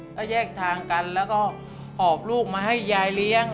ก็แยกทางกันแล้วก็หอบลูกมาให้ยายเลี้ยง